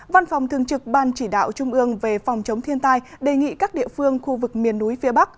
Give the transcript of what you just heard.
văn phòng thường trực ban chỉ đạo trung ương về phòng chống thiên tai đề nghị các địa phương khu vực miền núi phía bắc